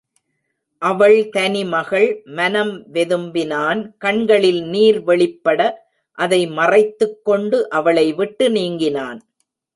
அவள் தனி மகள் மனம் வெதும்பினான் கண்களில் நீர் வெளிப்பட அதை மறைத்துக் கொண்டு அவளை விட்டு நீங்கினான்.